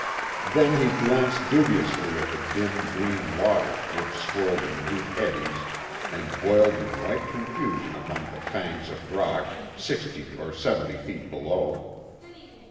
Then he glanced dubiously at the dim, green water, which swirled in deep eddies and boiled in white confusion among the fangs of rock sixty or seventy feet below.